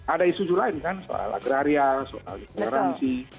ada isu juga lain kan soal agraria soal dekoransi